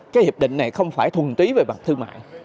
cái hiệp định này không phải thuần tí về mặt thương mại